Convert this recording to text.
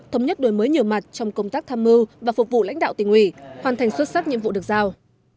thống nhất đổi mới nhiều mặt trong công tác tham mưu và phục vụ lãnh đạo tỉnh ủy hoàn thành xuất sắc nhiệm vụ được giao